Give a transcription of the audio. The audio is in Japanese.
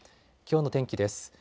きょうの天気です。